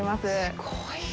すごい。